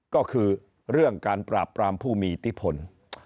ก็คือเรื่องการปราบปรามผู้มีอิทธิพล